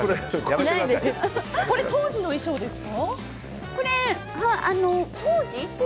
当時の衣装ですか？